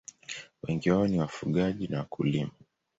Wengi wao ni wafugaji na wakulima.